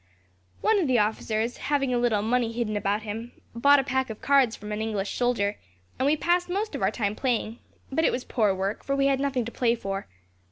"One of the officers, having a little money hidden about him, bought a pack of cards from an English soldier, and we passed most of our time playing; but it was poor work, for we had nothing to play for.